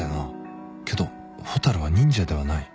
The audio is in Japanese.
けど蛍は忍者ではない。